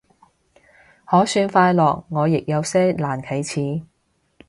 可算快樂，我亦有些難啟齒